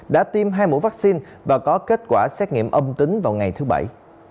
đã tiêm hai mũi vaccine và có kết quả xét nghiệm âm tính vào ngày thứ bảy